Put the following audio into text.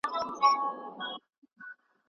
لاس مې ونیسه، چې دواړه سره ځو نه